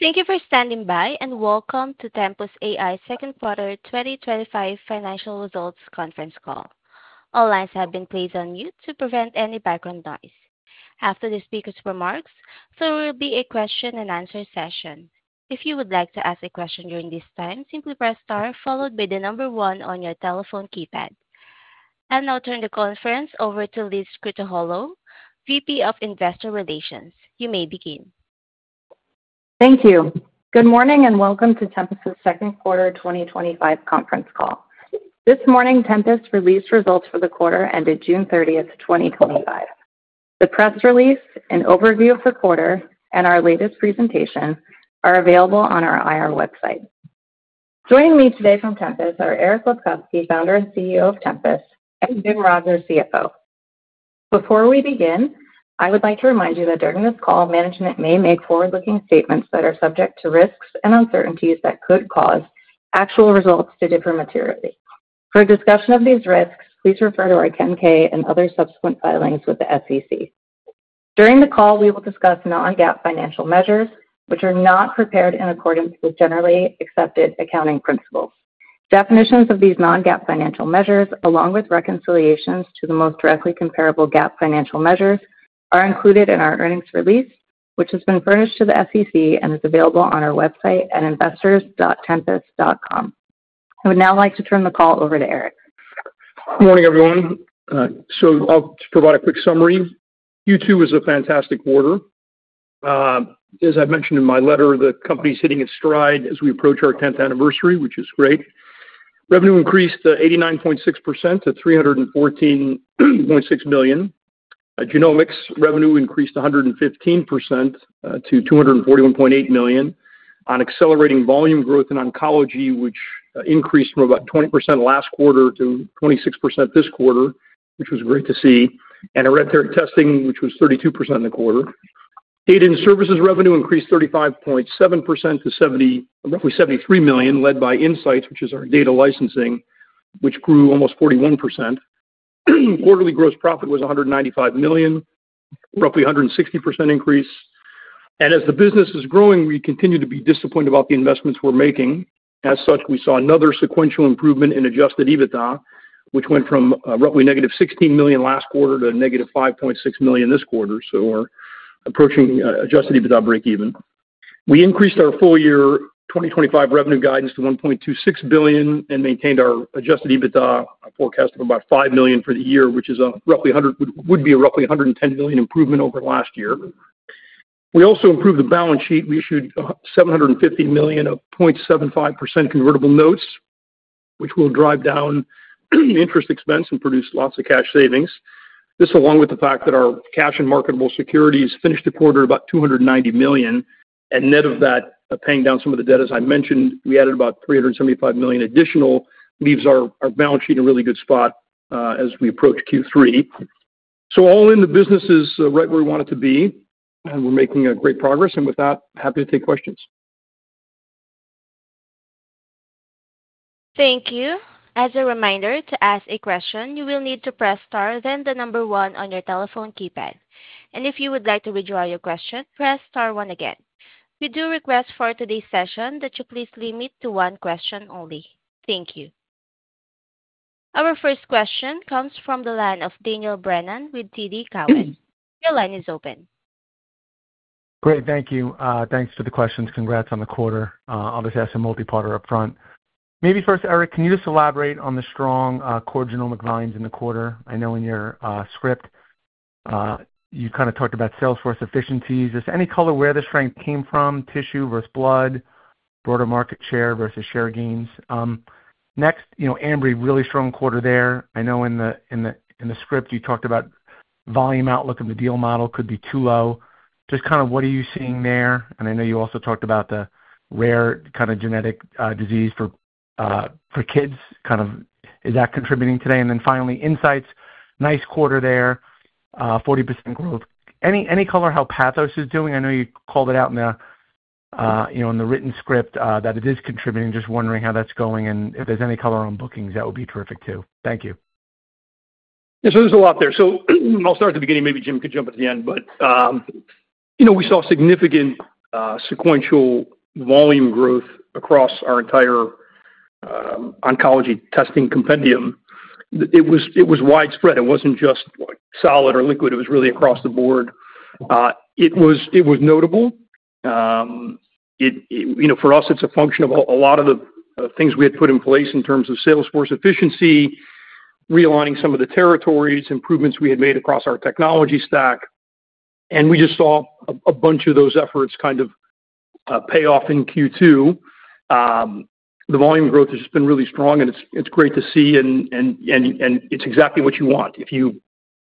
Thank you for standing by and welcome to Tempus AI's second quarter 2025 financial results conference call. All lines have been placed on mute to prevent any background noise. After the speaker's remarks, there will be a question-and-answer session. If you would like to ask a question during this time, simply press star followed by the number one on your telephone keypad. I'll now turn the conference over to Elizabeth Krutoholow, VP of Investor Relations. You may begin. Thank you. Good morning and welcome to Tempus's second quarter 2025 conference call. This morning, Tempus released results for the quarter ended June 30, 2025. The press release, an overview of the quarter, and our latest presentation are available on our IR website. Joining me today from Tempus are Eric Lefkofsky, Founder and CEO of Tempus, and Jim Rogers, CFO. Before we begin, I would like to remind you that during this call, management may make forward-looking statements that are subject to risks and uncertainties that could cause actual results to differ materially. For a discussion of these risks, please refer to our 10-K and other subsequent filings with the SEC. During the call, we will discuss non-GAAP financial measures, which are not prepared in accordance with generally accepted accounting principles. Definitions of these non-GAAP financial measures, along with reconciliations to the most directly comparable GAAP financial measures, are included in our earnings release, which has been furnished to the SEC and is available on our website at investors.tempus.com. I would now like to turn the call over to Eric. Morning, everyone. I'll provide a quick summary. Q2 was a fantastic quarter. As I mentioned in my letter, the company is hitting its stride as we approach our 10th anniversary, which is great. Revenue increased 89.6% to $314.6 million. Genomics revenue increased 115% to $241.8 million on accelerating volume growth in oncology, which increased from about 20% last quarter to 26% this quarter, which was great to see. Our ad testing, which was 32% in the quarter. Aid in services revenue increased 35.7% to roughly $73 million, led by Insights, which is our data licensing, which grew almost 41%. Quarterly gross profit was $195 million, roughly a 160% increase. As the business is growing, we continue to be disciplined about the investments we're making. As such, we saw another sequential improvement in Adjusted EBITDA, which went from roughly -$16 million last quarter to -$5.6 million this quarter. We're approaching Adjusted EBITDA breakeven. We increased our full year 2025 revenue guidance to $1.26 billion and maintained our Adjusted EBITDA forecast of about $5 million for the year, which would be a roughly $110 million improvement over last year. We also improved the balance sheet. We issued $750 million of 0.75% convertible notes, which will drive down interest expense and produce lots of cash savings. This, along with the fact that our cash and marketable securities finished the quarter at about $290 million, and net of that, paying down some of the debt, as I mentioned, we added about $375 million additional, leaves our balance sheet in a really good spot as we approach Q3. All in, the business is right where we want it to be, and we're making great progress. With that, happy to take questions. Thank you. As a reminder, to ask a question, you will need to press star, then the number one on your telephone keypad. If you would like to withdraw your question, press star one again. We do request for today's session that you please limit to one question only. Thank you. Our first question comes from the line of Daniel Brennan with TD Cowen. Your line is open. Great, thank you. Thanks for the questions. Congrats on the quarter. I'll just ask a multi-partner up front. Maybe first, Eric, can you just elaborate on the strong core genomic volumes in the quarter? I know in your script, you kind of talked about sales force efficiencies. Just any color where the strength came from, tissue versus blood, broader market share versus share gains. Next, you know, Ambry, really strong quarter there. I know in the script, you talked about volume outlook of the deal model could be too low. Just kind of what are you seeing there? I know you also talked about the rare kind of genetic disease for kids. Is that contributing today? Finally, Insights, nice quarter there, 40% growth. Any color how Pathos is doing? I know you called it out in the written script that it is contributing. Just wondering how that's going and if there's any color on bookings, that would be terrific too. Thank you. Yeah, so there's a lot there. I'll start at the beginning. Maybe Jim could jump at the end. We saw significant sequential volume growth across our entire oncology testing compendium. It was widespread. It wasn't just solid or liquid. It was really across the board. It was notable. For us, it's a function of a lot of the things we had put in place in terms of sales force efficiency, realigning some of the territories, improvements we had made across our technology stack. We just saw a bunch of those efforts kind of pay off in Q2. The volume growth has just been really strong, and it's great to see, and it's exactly what you want. If you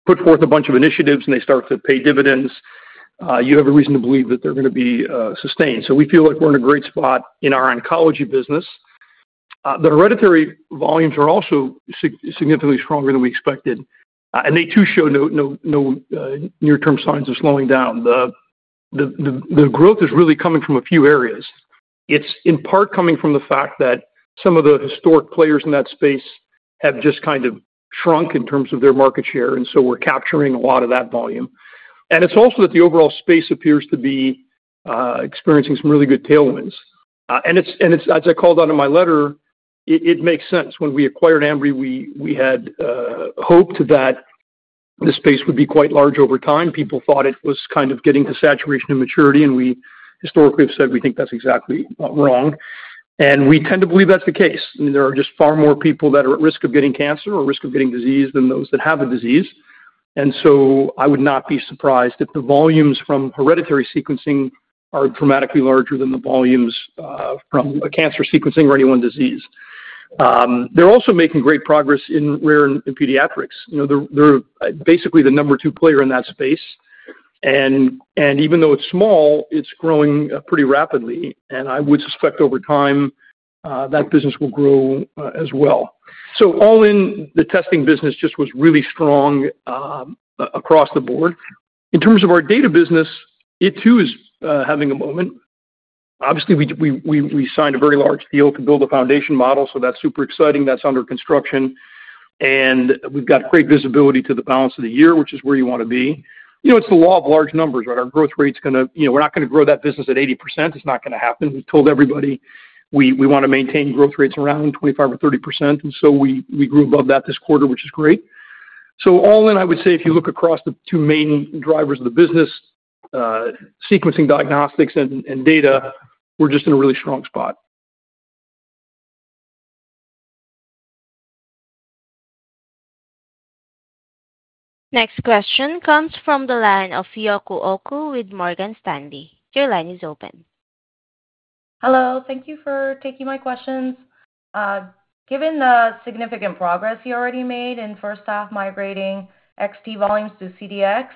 put forth a bunch of initiatives and they start to pay dividends, you have a reason to believe that they're going to be sustained. We feel like we're in a great spot in our oncology business. The hereditary volumes are also significantly stronger than we expected. They too show no near-term signs of slowing down. The growth is really coming from a few areas. It's in part coming from the fact that some of the historic players in that space have just kind of shrunk in terms of their market share. We're capturing a lot of that volume. It's also that the overall space appears to be experiencing some really good tailwinds. As I called out in my letter, it makes sense. When we acquired Ambry, we had hoped that the space would be quite large over time. People thought it was kind of getting to saturation and maturity, and we historically have said we think that's exactly wrong. We tend to believe that's the case. There are just far more people that are at risk of getting cancer or at risk of getting disease than those that have a disease. I would not be surprised if the volumes from hereditary sequencing are dramatically larger than the volumes from cancer sequencing or any one disease. They're also making great progress in rare and pediatrics. They're basically the number two player in that space. Even though it's small, it's growing pretty rapidly. I would suspect over time, that business will grow as well. All in, the testing business just was really strong across the board. In terms of our data business, it too is having a moment. Obviously, we signed a very large deal to build a foundation model. That's super exciting. That's under construction. We have great visibility to the balance of the year, which is where you want to be. It's the law of large numbers, right? Our growth rate is going to, you know, we're not going to grow that business at 80%. It's not going to happen. We told everybody we want to maintain growth rates around 25% or 30%. We grew above that this quarter, which is great. All in, I would say if you look across the two main drivers of the business, sequencing diagnostics and data, we're just in a really strong spot. Next question comes from the line of Yuko Oku with Morgan Stanley. Your line is open. Hello. Thank you for taking my questions. Given the significant progress you already made in the first half migrating xT volumes to CDX,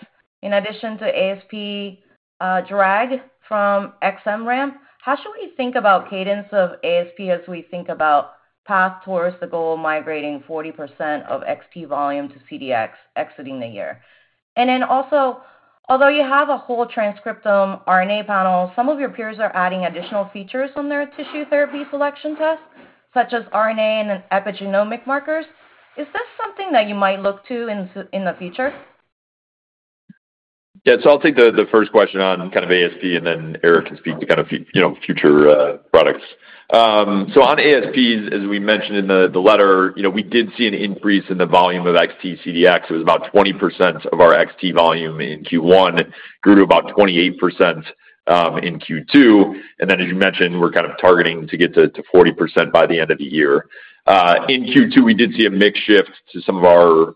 in addition to ASP drag from XMRAMP, how should we think about cadence of ASP as we think about the path towards the goal of migrating 40% of xT volume to CDX exiting the year? Also, although you have a whole transcriptome RNA panel, some of your peers are adding additional features on their tissue therapy selection test, such as RNA and epigenomic markers. Is this something that you might look to in the future? Yeah, I'll take the first question on kind of ASP, and then Eric can speak to kind of future products. On ASP, as we mentioned in the letter, we did see an increase in the volume of xT CDX. It was about 20% of our xT volume in Q1, grew to about 28% in Q2. As you mentioned, we're kind of targeting to get to 40% by the end of the year. In Q2, we did see a mix shift to some of our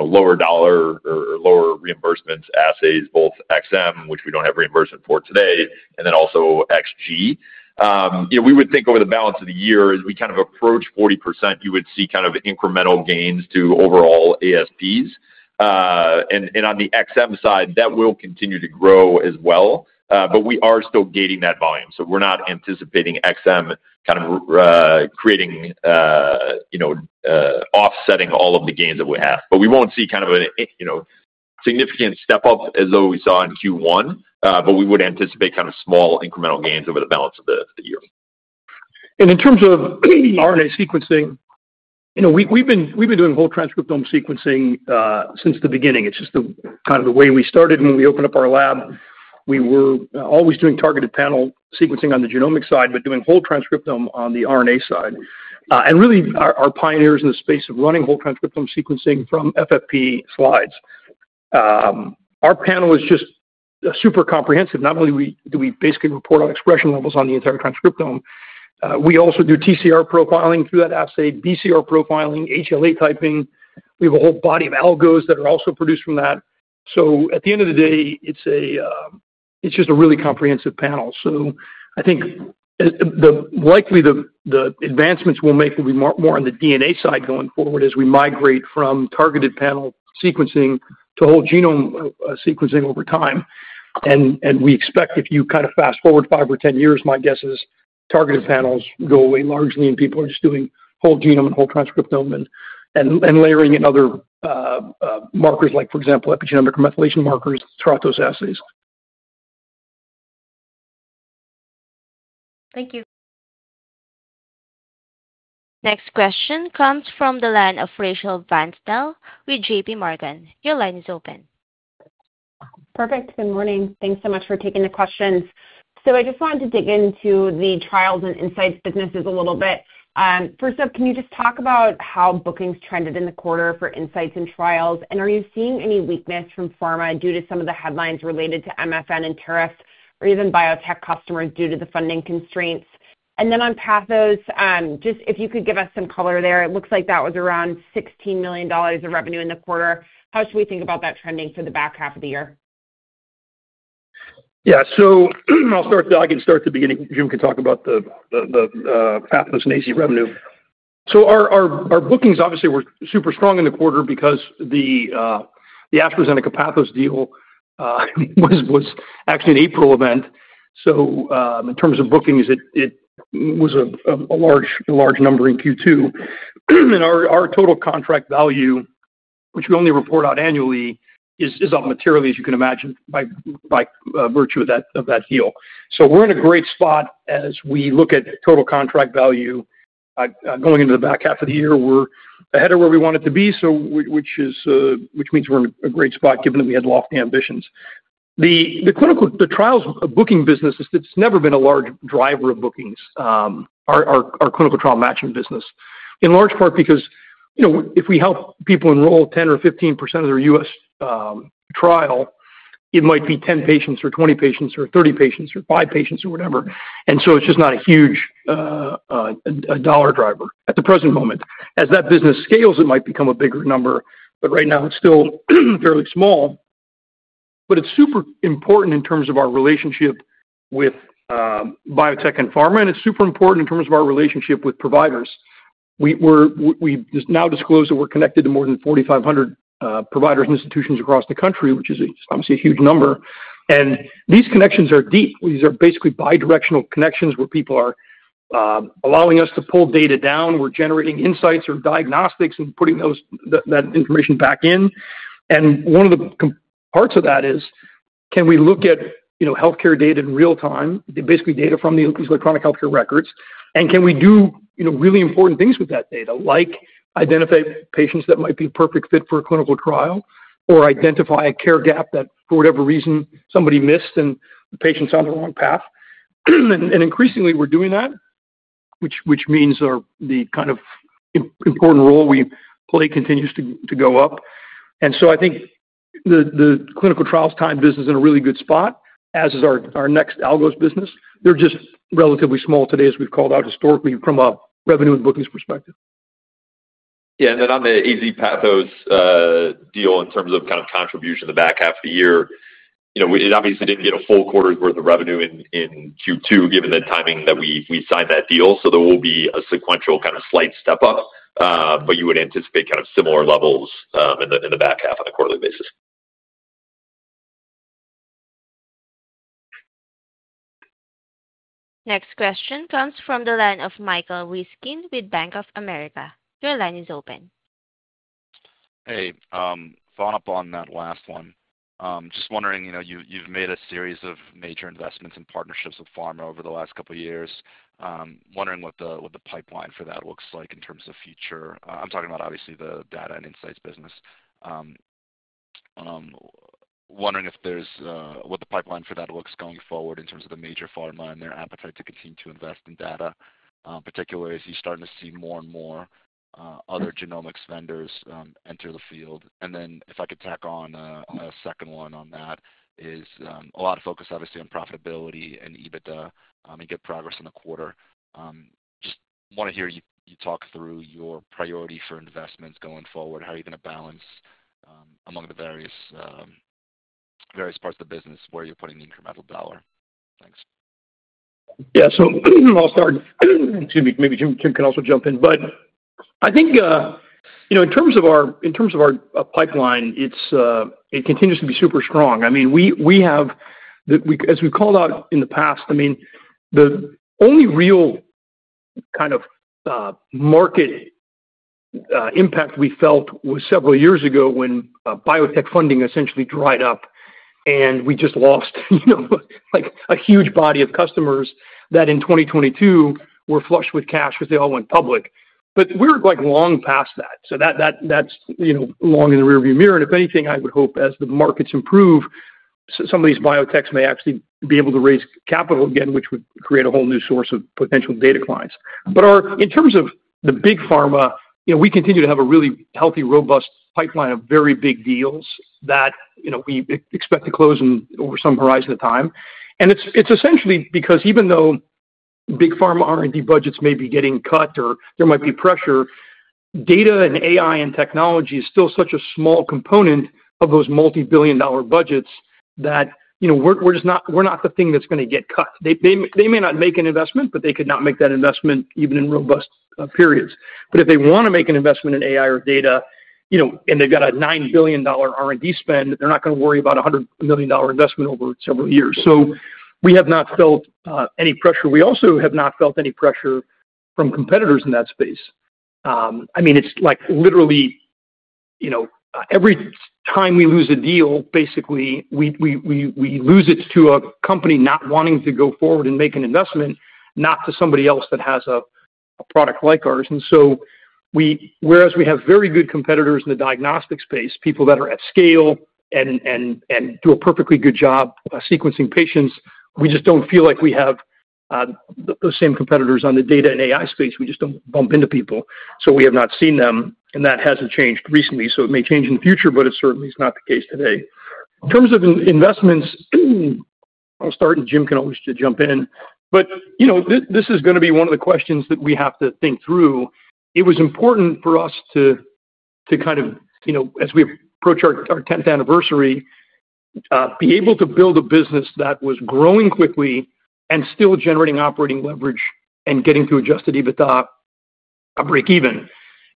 lower dollar or lower reimbursement assays, both XM, which we don't have reimbursement for today, and then also xT. We would think over the balance of the year, as we kind of approach 40%, you would see incremental gains to overall ASPs. On the XM side, that will continue to grow as well. We are still gating that volume. We're not anticipating XM creating offsetting all of the gains that we have. We won't see a significant step up as we saw in Q1. We would anticipate small incremental gains over the balance of the year. In terms of RNA sequencing, you know, we've been doing whole transcriptome sequencing since the beginning. It's just kind of the way we started when we opened up our lab. We were always doing targeted panel sequencing on the genomic side, but doing whole transcriptome on the RNA side. Our pioneers in the space of running whole transcriptome sequencing from FFP slides. Our panel is just super comprehensive. Not only do we basically report on expression levels on the entire transcriptome, we also do TCR profiling through that assay, BCR profiling, HLA typing. We have a whole body of algos that are also produced from that. At the end of the day, it's just a really comprehensive panel. I think the likely advancements we'll make will be more on the DNA side going forward as we migrate from targeted panel sequencing to whole genome sequencing over time. We expect, if you kind of fast forward five or ten years, my guess is targeted panels go away largely, and people are just doing whole genome and whole transcriptome and layering in other markers, like for example, epigenomic or methylation markers throughout those assays. Thank you. Next question comes from the line of Rachel Vatnsdal with JPMorgan. Your line is open. Perfect. Good morning. Thanks so much for taking the questions. I just wanted to dig into the trials and Insights businesses a little bit. First up, can you just talk about how bookings trended in the quarter for Insights and trials? Are you seeing any weakness from pharma due to some of the headlines related to MFN and tariffs or even biotech customers due to the funding constraints? On Pathos, if you could give us some color there, it looks like that was around $16 million of revenue in the quarter. How should we think about that trending for the back half of the year? Yeah, I can start at the beginning. Jim can talk about the Pathos and AC revenue. Our bookings obviously were super strong in the quarter because the AstraZeneca and the Pathos deal was actually an April event. In terms of bookings, it was a large number in Q2. Our total contract value, which we only report out annually, is up materially, as you can imagine, by virtue of that deal. We're in a great spot as we look at total contract value going into the back half of the year. We're ahead of where we wanted to be, which means we're in a great spot given that we had lofty ambitions. The clinical, the trials booking business has never been a large driver of bookings, our clinical trial management business, in large part because, you know, if we help people enroll 10% or 15% of their U.S. trial, it might be 10 patients or 20 patients or 30 patients or 5 patients or whatever. It's just not a huge dollar driver at the present moment. As that business scales, it might become a bigger number. Right now, it's still fairly small. It's super important in terms of our relationship with biotech and pharma, and it's super important in terms of our relationship with providers. We've now disclosed that we're connected to more than 4,500 providers and institutions across the country, which is obviously a huge number. These connections are deep. These are basically bidirectional connections where people are allowing us to pull data down. We're generating insights or diagnostics and putting that information back in. One of the parts of that is, can we look at healthcare data in real time, basically data from these electronic healthcare records? Can we do really important things with that data, like identify patients that might be a perfect fit for a clinical trial or identify a care gap that, for whatever reason, somebody missed and the patient's on the wrong path? Increasingly, we're doing that, which means the kind of important role we play continues to go up. I think the clinical trials time business is in a really good spot, as is our next algos business. They're just relatively small today, as we've called out historically from a revenue and bookings perspective. Yeah, on the AstraZeneca Pathos deal, in terms of kind of contribution to the back half of the year, it obviously didn't get a full quarter's worth of revenue in Q2, given the timing that we signed that deal. There will be a sequential kind of slight step up, but you would anticipate kind of similar levels in the back half on a quarterly basis. Next question comes from the line of Michael Ryskin with Bank of America. Your line is open. Hey, follow up on that last one. Just wondering, you've made a series of major investments and partnerships with pharma over the last couple of years. Wondering what the pipeline for that looks like in terms of future. I'm talking about, obviously, the data and Insights platform business. Wondering if there's what the pipeline for that looks going forward in terms of the major pharma and their appetite to continue to invest in data, particularly as you're starting to see more and more other genomics vendors enter the field. If I could tack on a second one on that, a lot of focus, obviously, on profitability and EBITDA and get progress in the quarter. Want to hear you talk through your priority for investments going forward. How are you going to balance among the various parts of the business where you're putting the incremental dollar? Thanks. Yeah, I'll start. Maybe Jim can also jump in. In terms of our pipeline, it continues to be super strong. We have, as we've called out in the past, the only real kind of market impact we felt was several years ago when biotech funding essentially dried up and we just lost a huge body of customers that in 2022 were flushed with cash because they all went public. We're long past that. That's long in the rearview mirror. If anything, I would hope as the markets improve, some of these biotechs may actually be able to raise capital again, which would create a whole new source of potential data clients. In terms of the big pharma, we continue to have a really healthy, robust pipeline of very big deals that we expect to close in over some horizon of time. It's essentially because even though big pharma R&D budgets may be getting cut or there might be pressure, data and AI and technology is still such a small component of those multi-billion dollar budgets that we're just not, we're not the thing that's going to get cut. They may not make an investment, but they could not make that investment even in robust periods. If they want to make an investment in AI or data, and they've got a $9 billion R&D spend, they're not going to worry about a $100 million investment over several years. We have not felt any pressure. We also have not felt any pressure from competitors in that space. Literally, every time we lose a deal, basically, we lose it to a company not wanting to go forward and make an investment, not to somebody else that has a product like ours. Whereas we have very good competitors in the diagnostic space, people that are at scale and do a perfectly good job sequencing patients, we just don't feel like we have those same competitors on the data and AI space. We just don't bump into people. We have not seen them. That hasn't changed recently. It may change in the future, but it certainly is not the case today. In terms of investments, I'll start and Jim can always jump in. This is going to be one of the questions that we have to think through. It was important for us to, as we approach our 10th anniversary, be able to build a business that was growing quickly and still generating operating leverage and getting to Adjusted EBITDA breakeven.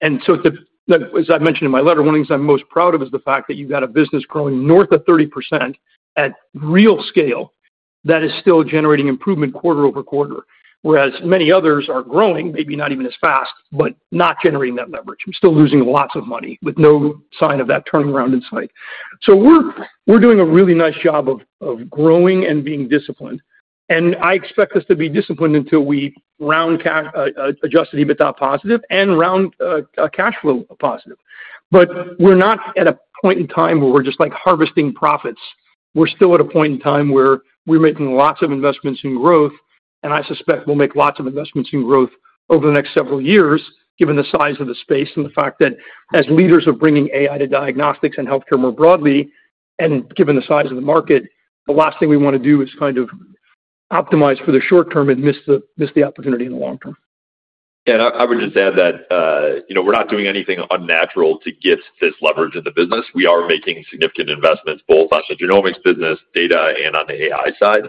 As I mentioned in my letter, one of the things I'm most proud of is the fact that you've got a business growing north of 30% at real scale that is still generating improvement quarter-over-quarter, whereas many others are growing, maybe not even as fast, but not generating that leverage. We're still losing lots of money with no sign of that turnaround in sight. We're doing a really nice job of growing and being disciplined. I expect us to be disciplined until we round Adjusted EBITDA positive and round cash flow positive. We're not at a point in time where we're just like harvesting profits. We're still at a point in time where we're making lots of investments in growth. I suspect we'll make lots of investments in growth over the next several years, given the size of the space and the fact that, as leaders of bringing AI to diagnostics and healthcare more broadly, and given the size of the market, the last thing we want to do is kind of optimize for the short term and miss the opportunity in the long term. Yeah, I would just add that we're not doing anything unnatural to get this leverage in the business. We are making significant investments both on the genomics business, data, and on the AI side.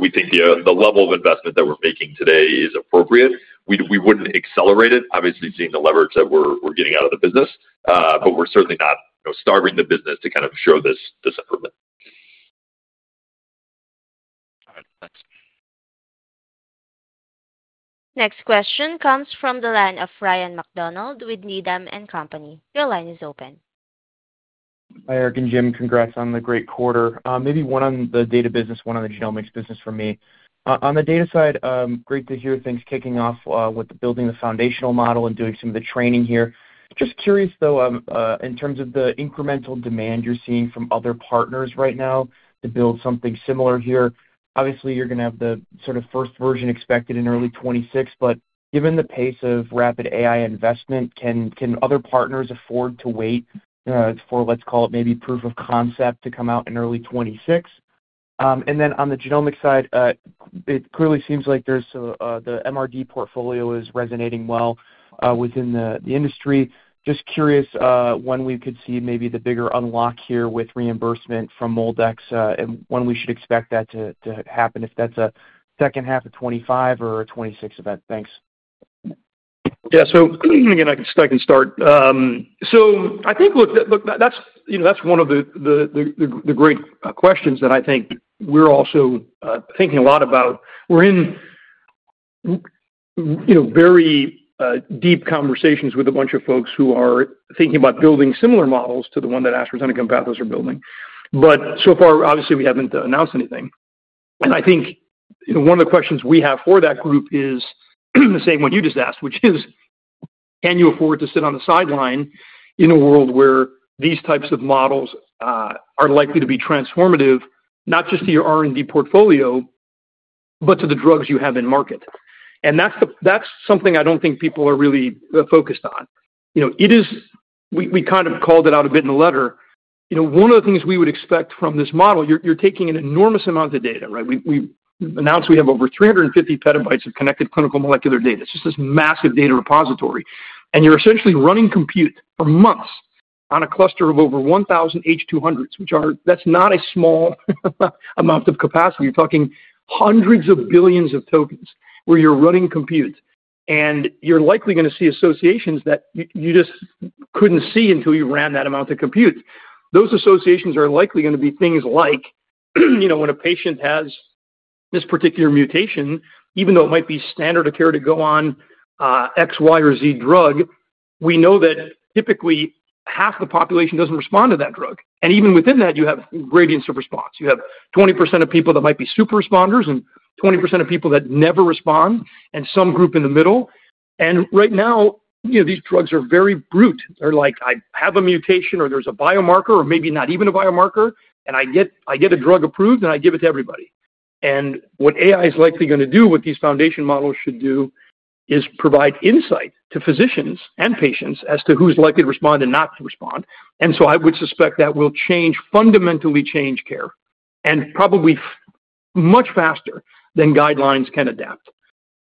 We think the level of investment that we're making today is appropriate. We wouldn't accelerate it, obviously seeing the leverage that we're getting out of the business, but we're certainly not starving the business to kind of show this improvement. Next question comes from the line of Ryan MacDonald with Needham & Company. Your line is open. Hi, Eric and Jim, congrats on the great quarter. Maybe one on the data business, one on the genomics business for me. On the data side, great to hear things kicking off with building the foundational model and doing some of the training here. Just curious, though, in terms of the incremental demand you're seeing from other partners right now to build something similar here, obviously, you're going to have the sort of first version expected in early 2026, but given the pace of rapid AI investment, can other partners afford to wait for, let's call it, maybe proof of concept to come out in early 2026? On the genomics side, it clearly seems like the MRD portfolio is resonating well within the industry. Just curious when we could see maybe the bigger unlock here with reimbursement from MolDX and when we should expect that to happen if that's a second half of 2025 or a 2026 event. Thanks. Yeah, I can start. I think that's one of the great questions that we're also thinking a lot about. We're in very deep conversations with a bunch of folks who are thinking about building similar models to the one that AstraZeneca and Pathos are building. So far, obviously, we haven't announced anything. I think one of the questions we have for that group is the same one you just asked, which is, can you afford to sit on the sideline in a world where these types of models are likely to be transformative, not just to your R&D portfolio, but to the drugs you have in market? That's something I don't think people are really focused on. We kind of called it out a bit in the letter. One of the things we would expect from this model, you're taking an enormous amount of data, right? We announced we have over 350 petabytes of connected clinical molecular data. It's just this massive data repository. You're essentially running compute for months on a cluster of over 1,000 H200s, which is not a small amount of capacity. You're talking hundreds of billions of tokens where you're running compute. You're likely going to see associations that you just couldn't see until you ran that amount of compute. Those associations are likely going to be things like, when a patient has this particular mutation, even though it might be standard of care to go on X, Y, or Z drug, we know that typically half the population doesn't respond to that drug. Even within that, you have gradients of response. You have 20% of people that might be super responders and 20% of people that never respond and some group in the middle. Right now, these drugs are very brute. They're like, I have a mutation or there's a biomarker or maybe not even a biomarker, and I get a drug approved and I give it to everybody. What AI is likely going to do, what these foundation models should do, is provide insight to physicians and patients as to who's likely to respond and not to respond. I would suspect that will fundamentally change care and probably much faster than guidelines can adapt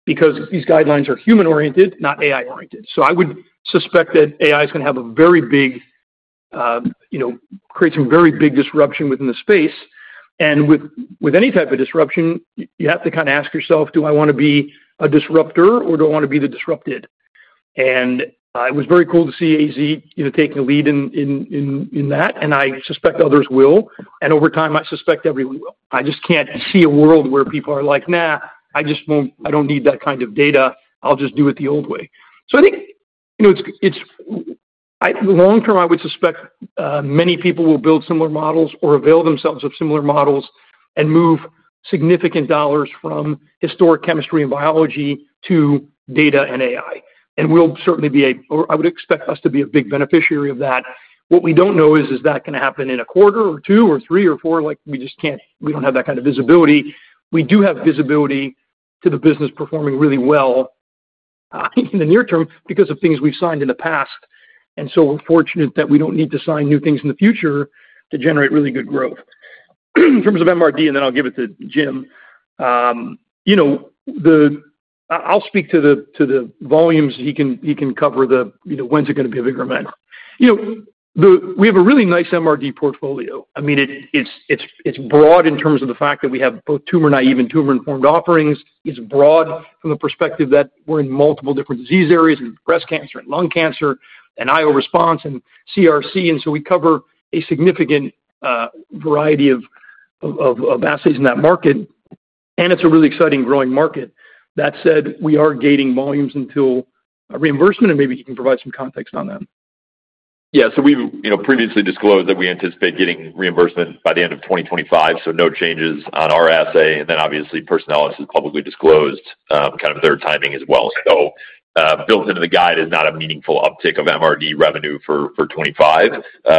because these guidelines are human-oriented, not AI-oriented. I would suspect that AI is going to create some very big disruption within the space. With any type of disruption, you have to kind of ask yourself, do I want to be a disruptor or do I want to be the disrupted? It was very cool to see AstraZeneca, you know, taking a lead in that, and I suspect others will. Over time, I suspect everyone will. I just can't see a world where people are like, nah, I just won't, I don't need that kind of data. I'll just do it the old way. I think, you know, it's long term, I would suspect many people will build similar models or avail themselves of similar models and move significant dollars from historic chemistry and biology to data and AI. We'll certainly be a, or I would expect us to be a big beneficiary of that. What we don't know is, is that going to happen in a quarter or two or three or four? We just can't, we don't have that kind of visibility. We do have visibility to the business performing really well in the near term because of things we've signed in the past. We're fortunate that we don't need to sign new things in the future to generate really good growth. In terms of MRD, and then I'll give it to Jim, you know, I'll speak to the volumes, he can cover the, you know, when's it going to be a bigger event. We have a really nice MRD portfolio. I mean, it's broad in terms of the fact that we have both tumor-naive and tumor-informed offerings. It's broad from the perspective that we're in multiple different disease areas: breast cancer and lung cancer and IO response and CRC. We cover a significant variety of assays in that market, and it's a really exciting growing market. That said, we are gating volumes until reimbursement, and maybe you can provide some context on that. Yeah, we've previously disclosed that we anticipate getting reimbursement by the end of 2025. No changes on our assay. Personalis has publicly disclosed their timing as well. Built into the guide is not a meaningful uptick of MRD revenue for 2025.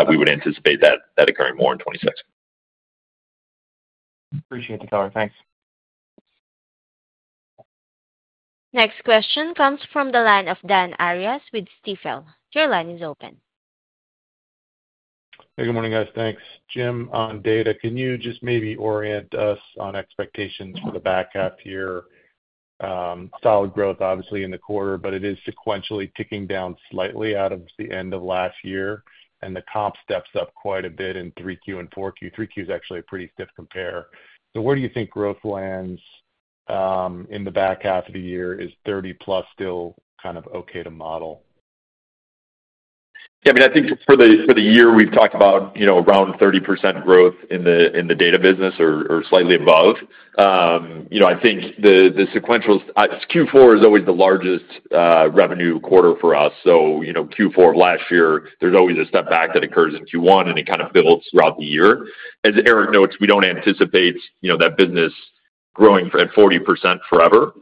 We would anticipate that occurring more in 2026. Appreciate the color. Thanks. Next question comes from the line of Dan Arias with Stifel. Your line is open. Hey, good morning guys. Thanks. Jim, on data, can you just maybe orient us on expectations for the back half year? Solid growth, obviously, in the quarter, but it is sequentially ticking down slightly out of the end of last year. The comp steps up quite a bit in 3Q and 4Q. 3Q is actually a pretty stiff compare. Where do you think growth lands in the back half of the year? Is 30%+ still kind of okay to model? Yeah, I mean, I think for the year we've talked about around 30% growth in the data business or slightly above. I think the sequentials, Q4 is always the largest revenue quarter for us. Q4 of last year, there's always a step back that occurs in Q1, and it kind of builds throughout the year. As Eric notes, we don't anticipate that business growing at 40% forever.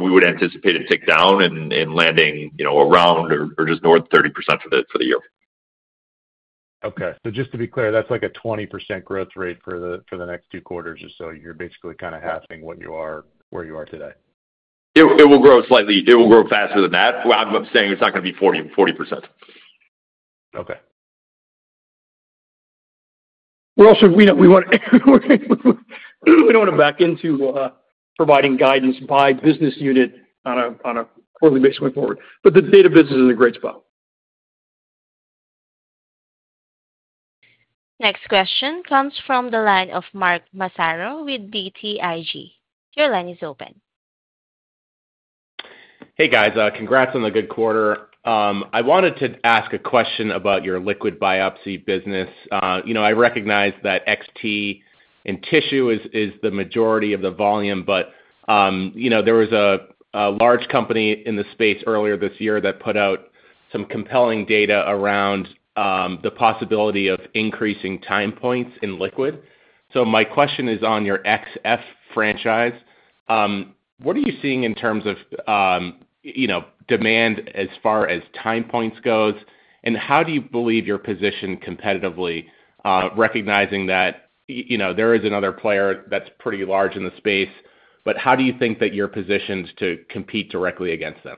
We would anticipate a tick down and landing around or just north of 30% for the year. Okay. Just to be clear, that's like a 20% growth rate for the next two quarters or so. You're basically kind of halving what you are where you are today. It will grow slightly. It will grow faster than that. I'm saying it's not going to be 40%. Okay. We don't want to back into providing guidance by business unit on a quarterly basis going forward. The data business is in a great spot. Next question comes from the line of Mark Massaro with BTIG. Your line is open. Hey guys, congrats on the good quarter. I wanted to ask a question about your liquid biopsy business. I recognize that xT in tissue is the majority of the volume, but there was a large company in the space earlier this year that put out some compelling data around the possibility of increasing time points in liquid. My question is on your xF franchise. What are you seeing in terms of demand as far as time points go? How do you believe you're positioned competitively, recognizing that there is another player that's pretty large in the space? How do you think that your position is to compete directly against them?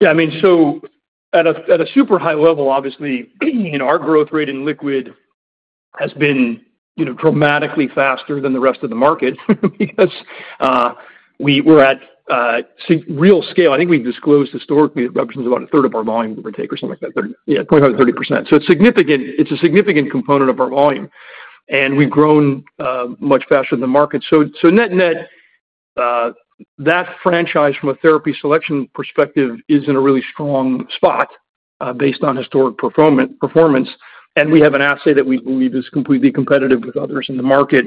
Yeah, I mean, at a super high level, obviously, our growth rate in liquid has been dramatically faster than the rest of the market because we're at a real scale. I think we've disclosed historically that reductions are about a third of our volume that we take or something like that, yeah, 25%-30%. It's significant. It's a significant component of our volume, and we've grown much faster than the market. Net-net, that franchise from a therapy selection perspective is in a really strong spot based on historic performance. We have an asset that we believe is completely competitive with others in the market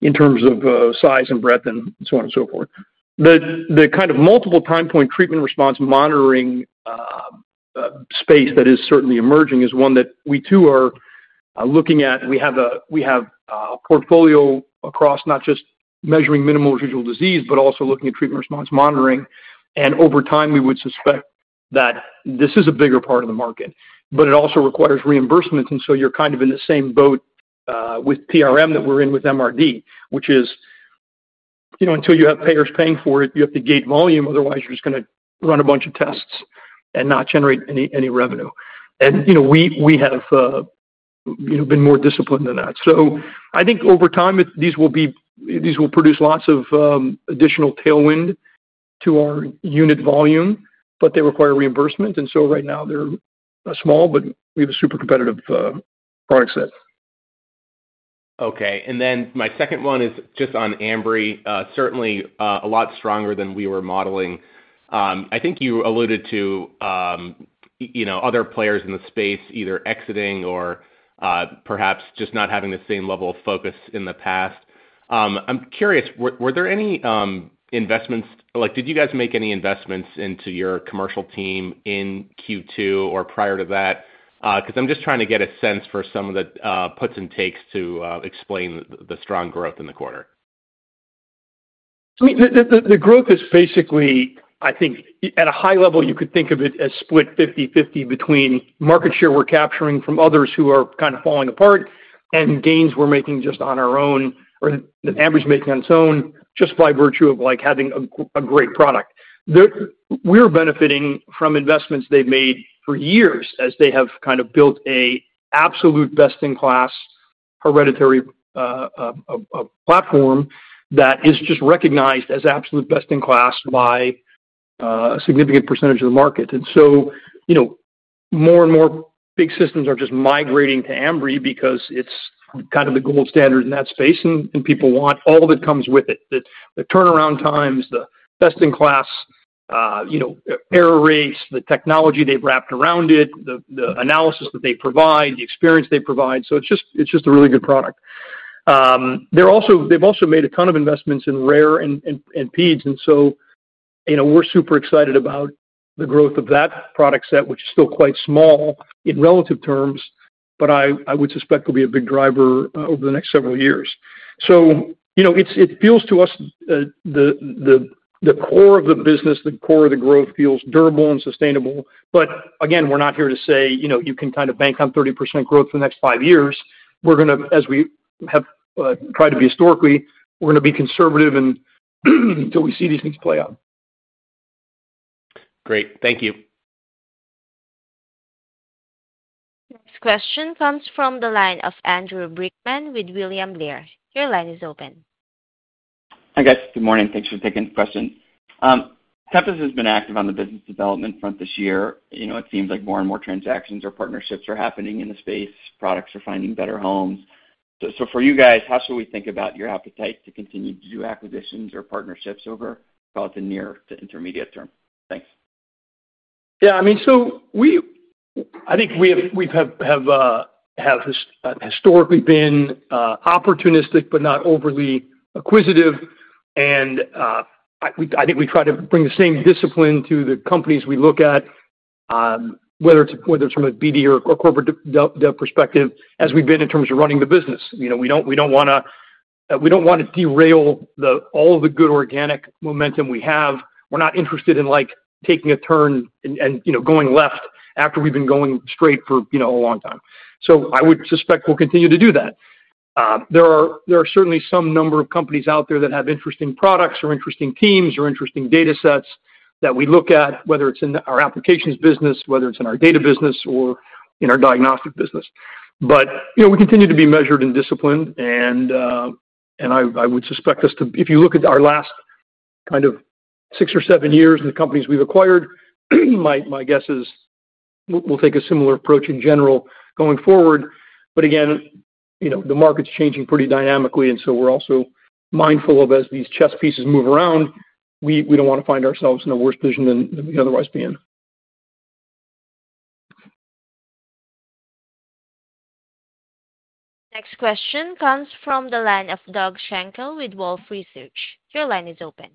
in terms of size and breadth and so on and so forth. The kind of multiple time point treatment response monitoring space that is certainly emerging is one that we too are looking at. We have a portfolio across not just measuring minimal residual disease, but also looking at treatment response monitoring. Over time, we would suspect that this is a bigger part of the market, but it also requires reimbursements. You're kind of in the same boat with PRM that we're in with MRD, which is, until you have payers paying for it, you have to gate volume. Otherwise, you're just going to run a bunch of tests and not generate any revenue. We have been more disciplined than that. Over time, these will produce lots of additional tailwind to our unit volume, but they require reimbursement. Right now, they're small, but we have a super competitive product set. Okay. My second one is just on Ambry, certainly, a lot stronger than we were modeling. I think you alluded to, you know, other players in the space either exiting or perhaps just not having the same level of focus in the past. I'm curious, were there any investments, like, did you guys make any investments into your commercial team in Q2 or prior to that? I'm just trying to get a sense for some of the puts and takes to explain the strong growth in the quarter. I mean, the growth is basically, I think, at a high level, you could think of it as split 50/50 between market share we're capturing from others who are kind of falling apart and gains we're making just on our own or the average making on its own just by virtue of like having a great product. We're benefiting from investments they've made for years as they have kind of built an absolute best-in-class hereditary platform that is just recognized as absolute best-in-class by a significant of the market. More and more big systems are just migrating to Ambry because it's kind of the gold standard in that space. People want all that comes with it: the turnaround times, the best-in-class, you know, error rates, the technology they've wrapped around it, the analysis that they provide, the experience they provide. It's just a really good product. They've also made a ton of investments in Rare and Peds. We're super excited about the growth of that product set, which is still quite small in relative terms, but I would suspect it'll be a big driver over the next several years. It feels to us that the core of the business, the core of the growth feels durable and sustainable. We're not here to say, you know, you can kind of bank on 30% growth for the next five years. We're going to, as we have tried to be historically, we're going to be conservative until we see these things play out. Great. Thank you. Next question comes from the line of Andrew Brickman with William Blair. Your line is open. Hi guys, good morning. Thanks for taking the question. Pathos has been active on the business development front this year. It seems like more and more transactions or partnerships are happening in the space. Products are finding better homes. For you guys, how should we think about your appetite to continue to do acquisitions or partnerships over, call it, the near to intermediate term? Thanks. Yeah, I mean, we have historically been opportunistic, but not overly acquisitive. I think we try to bring the same discipline to the companies we look at, whether it's from a BD or corporate debt perspective, as we've been in terms of running the business. We don't want to derail all of the good organic momentum we have. We're not interested in taking a turn and going left after we've been going straight for a long time. I would suspect we'll continue to do that. There are certainly some number of companies out there that have interesting products or interesting teams or interesting data sets that we look at, whether it's in our applications business, in our data business, or in our diagnostic business. We continue to be measured and disciplined. I would suspect us to, if you look at our last six or seven years and the companies we've acquired, my guess is we'll take a similar approach in general going forward. The market's changing pretty dynamically. We're also mindful of, as these chess pieces move around, we don't want to find ourselves in a worse position than we otherwise would be in. Next question comes from the line of Doug Schenkel with Wolfe Research. Your line is open.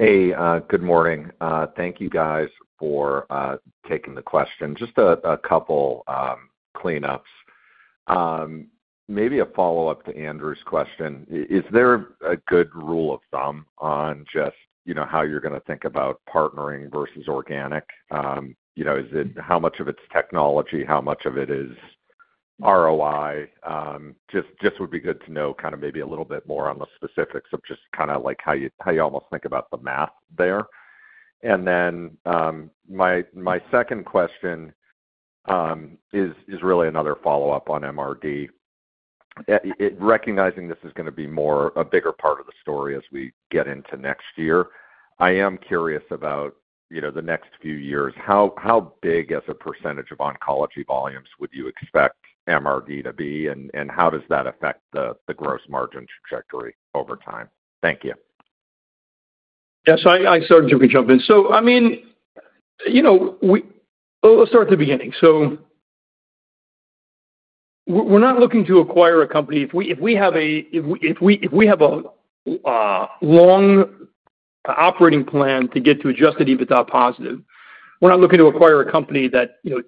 Hey, good morning. Thank you guys for taking the question. Just a couple cleanups. Maybe a follow-up to Andrew's question. Is there a good rule of thumb on just, you know, how you're going to think about partnering versus organic? You know, is it how much of it's technology? How much of it is ROI? Just would be good to know kind of maybe a little bit more on the specifics of just kind of like how you almost think about the math there. My second question is really another follow-up on MRD. Recognizing this is going to be more a bigger part of the story as we get into next year. I am curious about, you know, the next few years. How big as a percentage of oncology volumes would you expect MRD to be? How does that affect the gross margin trajectory over time? Thank you. Yeah, I certainly can jump in. I mean, let's start at the beginning. We're not looking to acquire a company. If we have a long operating plan to get to Adjusted EBITDA positive, we're not looking to acquire a company that would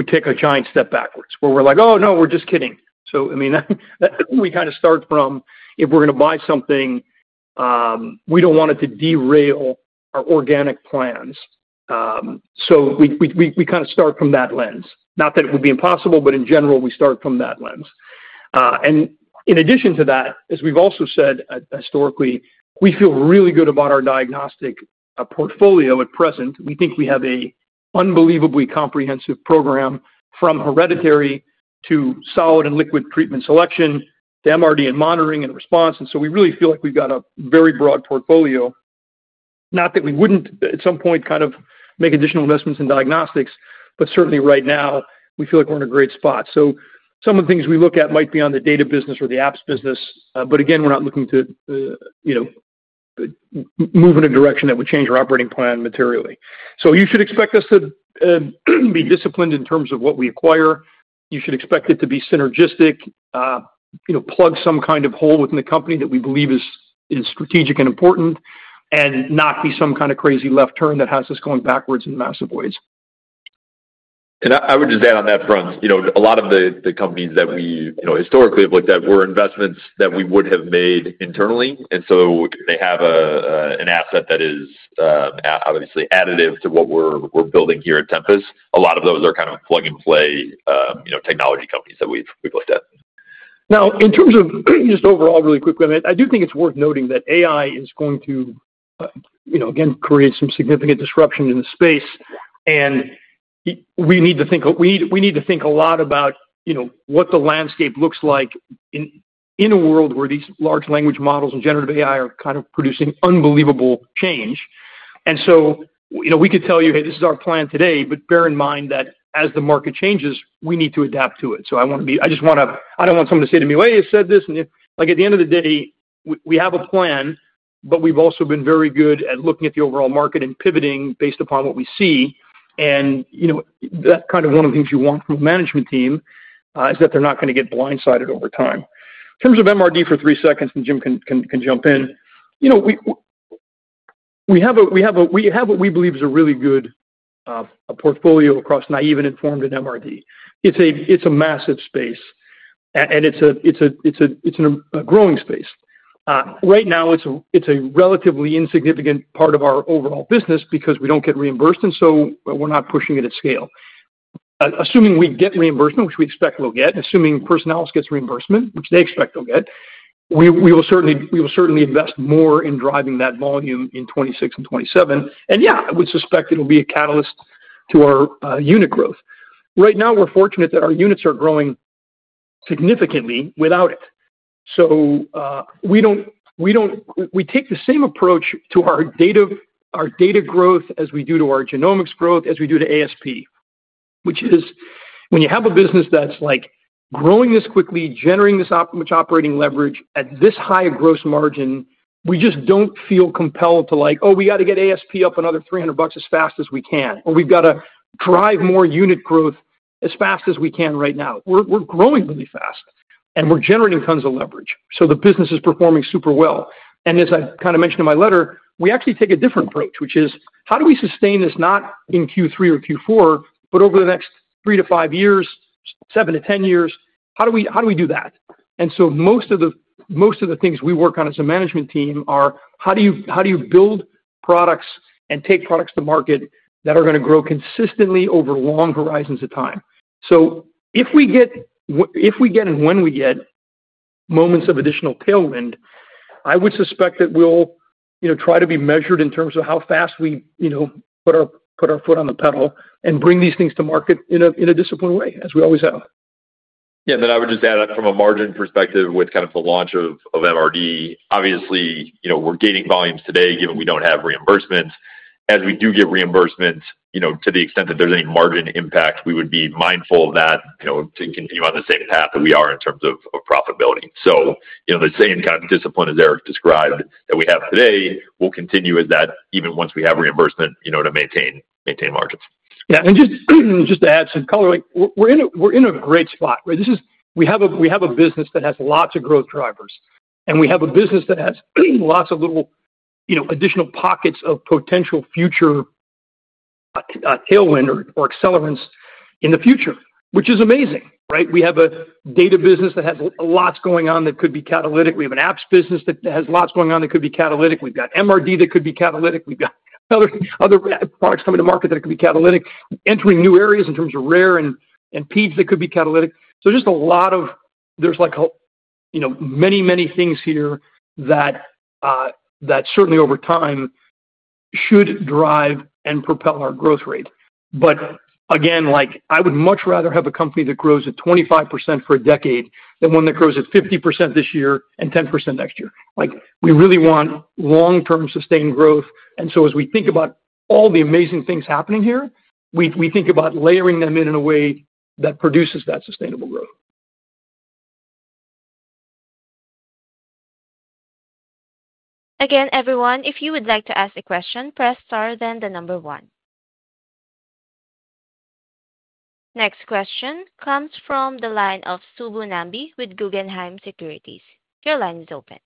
take a giant step backwards where we're like, "Oh, no, we're just kidding." We kind of start from if we're going to buy something, we don't want it to derail our organic plans. We kind of start from that lens. Not that it would be impossible, but in general, we start from that lens. In addition to that, as we've also said historically, we feel really good about our diagnostic portfolio at present. We think we have an unbelievably comprehensive program from hereditary to solid and liquid treatment selection to MRD and monitoring and response. We really feel like we've got a very broad portfolio. Not that we wouldn't at some point make additional investments in diagnostics, but certainly right now, we feel like we're in a great spot. Some of the things we look at might be on the data business or the apps business. Again, we're not looking to move in a direction that would change our operating plan materially. You should expect us to be disciplined in terms of what we acquire. You should expect it to be synergistic, plug some kind of hole within the company that we believe is strategic and important and not be some kind of crazy left turn that has us going backwards in massive ways. I would just add on that front, a lot of the companies that we historically have looked at were investments that we would have made internally. They have an asset that is obviously additive to what we're building here at Tempus. A lot of those are kind of plug and play technology companies that we've looked at. Now, in terms of just overall, really quickly, I do think it's worth noting that AI is going to, you know, again, create some significant disruption in the space. We need to think, we need to think a lot about, you know, what the landscape looks like in a world where these large language models and generative AI are kind of producing unbelievable change. We could tell you, "Hey, this is our plan today," but bear in mind that as the market changes, we need to adapt to it. I want to be, I just want to, I don't want someone to say to me, "Well, you said this." If, like, at the end of the day, we have a plan, but we've also been very good at looking at the overall market and pivoting based upon what we see. That kind of one of the things you want from a management team is that they're not going to get blindsided over time. In terms of MRD for three seconds, and Jim can jump in, we have a, we have what we believe is a really good portfolio across naive and informed and MRD. It's a massive space. It's a growing space. Right now, it's a relatively insignificant part of our overall business because we don't get reimbursed. We're not pushing it at scale. Assuming we get reimbursement, which we expect we'll get, assuming Personalis gets reimbursement, which they expect they'll get, we will certainly invest more in driving that volume in 2026 and 2027. I would suspect it'll be a catalyst to our unit growth. Right now, we're fortunate that our units are growing significantly without it. We don't, we don't, we take the same approach to our data growth as we do to our genomics growth, as we do to ASP, which is when you have a business that's like growing this quickly, generating this much operating leverage at this high gross margin, we just don't feel compelled to like, "Oh, we got to get ASP up another $300 as fast as we can," or, "We've got to drive more unit growth as fast as we can right now." We're growing really fast. We're generating tons of leverage. The business is performing super well. As I kind of mentioned in my letter, we actually take a different approach, which is, how do we sustain this not in Q3 or Q4, but over the next three to five years, seven to ten years? How do we do that? Most of the things we work on as a management team are, how do you build products and take products to market that are going to grow consistently over long horizons of time? If we get and when we get moments of additional tailwind, I would suspect that we'll try to be measured in terms of how fast we, you know, put our foot on the pedal and bring these things to market in a disciplined way, as we always have. Yeah, I would just add that from a margin perspective with kind of the launch of MRD. Obviously, we're gating volumes today given we don't have reimbursements. As we do get reimbursements, to the extent that there's any margin impact, we would be mindful of that to continue on the same path that we are in terms of profitability. The same kind of discipline as Eric described that we have today will continue with that even once we have reimbursement to maintain margins. Yeah, and just to add some color, we're in a great spot, right? We have a business that has lots of growth drivers. We have a business that has lots of little, you know, additional pockets of potential future tailwind or accelerance in the future, which is amazing, right? We have a data business that has lots going on that could be catalytic. We have an apps business that has lots going on that could be catalytic. We've got MRD that could be catalytic. We've got other products coming to market that could be catalytic, entering new areas in terms of Rare and Peds that could be catalytic. There are many, many things here that certainly over time should drive and propel our growth rate. I would much rather have a company that grows at 25% for a decade than one that grows at 50% this year and 10% next year. We really want long-term sustained growth. As we think about all the amazing things happening here, we think about layering them in in a way that produces that sustainable growth. Again, everyone, if you would like to ask a question, press star then the number one. Next question comes from the line of Subbu Nambi with Guggenheim Securities. Your line is open.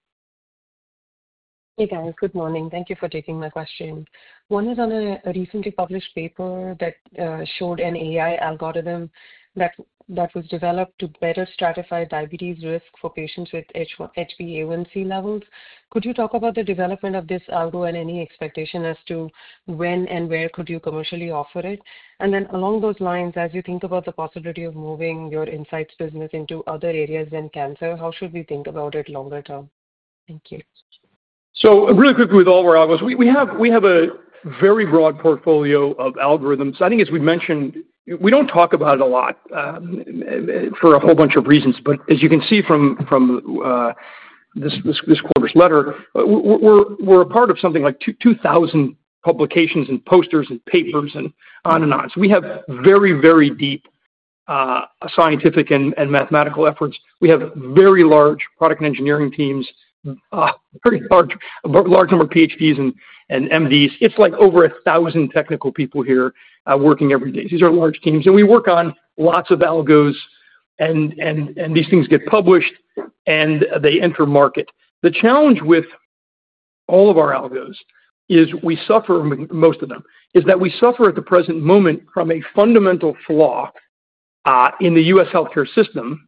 Hey guys, good morning. Thank you for taking my question. One is on a recently published paper that showed an AI algorithm that was developed to better stratify diabetes risk for patients with HbA1c levels. Could you talk about the development of this algorithm and any expectation as to when and where you could commercially offer it? Along those lines, as you think about the possibility of moving your Insights platform business into other areas than cancer, how should we think about it longer term? Thank you. Really quickly, with all where I was, we have a very broad portfolio of algorithms. As we mentioned, we do not talk about it a lot for a whole bunch of reasons. As you can see from this quarter's letter, we are a part of something like 2,000 publications and posters and papers and on and on. We have very, very deep scientific and mathematical efforts. We have very large product and engineering teams, a very large number of PhDs and MDs. It is over 1,000 technical people here working every day. These are large teams. We work on lots of algos, and these things get published, and they enter market. The challenge with all of our algos is we suffer, most of them, is that we suffer at the present moment from a fundamental flaw in the U.S. healthcare system.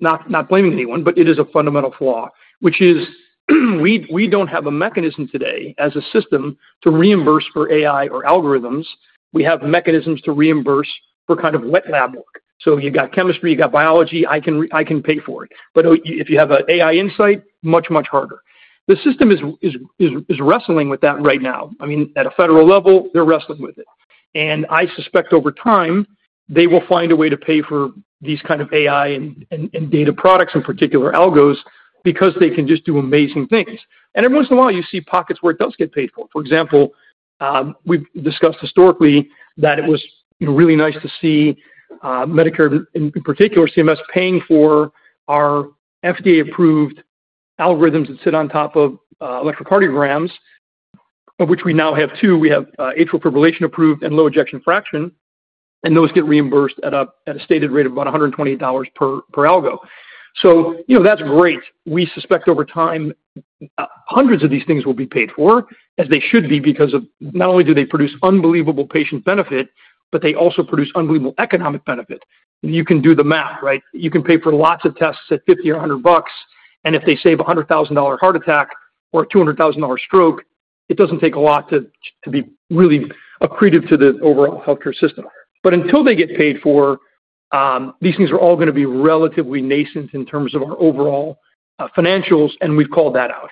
Not blaming anyone, but it is a fundamental flaw, which is we do not have a mechanism today as a system to reimburse for AI or algorithms. We have mechanisms to reimburse for kind of wet lab work. You have chemistry, you have biology, I can pay for it. If you have an AI insight, much, much harder. The system is wrestling with that right now. At a federal level, they are wrestling with it. I suspect over time, they will find a way to pay for these kind of AI and data products, in particular algos, because they can just do amazing things. Every once in a while, you see pockets where it does get paid for. For example, we have discussed historically that it was really nice to see Medicare, in particular CMS, paying for our FDA-approved algorithms that sit on top of electrocardiograms, of which we now have two. We have atrial fibrillation approved and low ejection fraction. Those get reimbursed at a stated rate of about $120 per algo. That is great. We suspect over time, hundreds of these things will be paid for, as they should be, because not only do they produce unbelievable patient benefit, but they also produce unbelievable economic benefit. You can do the math, right? You can pay for lots of tests at $50 or $100. If they save a $100,000 heart attack or a $200,000 stroke, it does not take a lot to be really accretive to the overall healthcare system. Until they get paid for, these things are all going to be relatively nascent in terms of our overall financials, and we have called that out.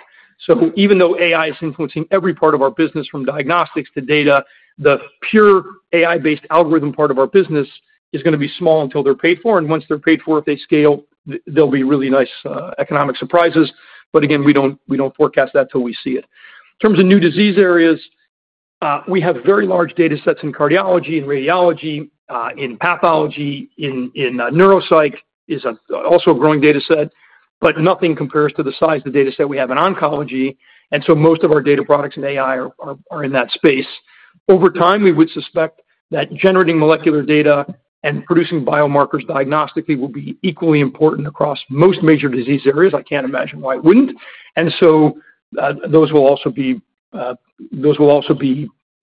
Even though AI is influencing every part of our business, from diagnostics to data, the pure AI-based algorithm part of our business is going to be small until they're paid for. Once they're paid for, if they scale, there'll be really nice economic surprises. We don't forecast that till we see it. In terms of new disease areas, we have very large data sets in cardiology, in radiology, in pathology, and neuropsych is also a growing data set. Nothing compares to the size of the data set we have in oncology, so most of our data products and AI are in that space. Over time, we would suspect that generating molecular data and producing biomarkers diagnostically will be equally important across most major disease areas. I can't imagine why it wouldn't. Those will also be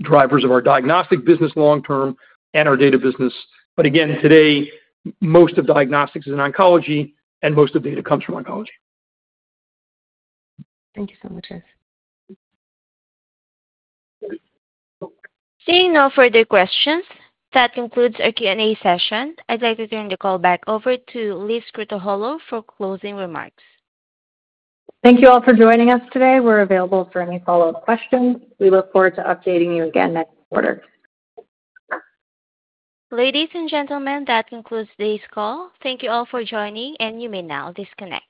drivers of our diagnostic business long term and our data business. Today, most of diagnostics is in oncology, and most of data comes from oncology. Thank you so much, Eric. Seeing no further questions, that concludes our Q&A session. I'd like to turn the call back over to Elizabeth Krutoholow for closing remarks. Thank you all for joining us today. We're available for any follow-up questions. We look forward to updating you again next quarter. Ladies and gentlemen, that concludes today's call. Thank you all for joining, and you may now disconnect.